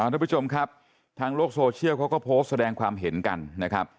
ทุกผู้ชมครับทางโลกโซเชียลเขาก็โพสต์แสดงความเห็นกันนะครับ